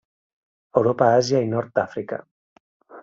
Europa, Àsia i nord d'Àfrica.